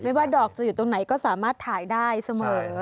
ว่าดอกจะอยู่ตรงไหนก็สามารถถ่ายได้เสมอ